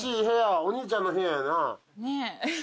お兄ちゃんの部屋やな。